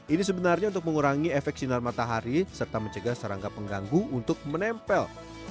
ini sebenarnya untuk mengurangi efek sinar matahari serta mencegah serangga pengganggu untuk menempel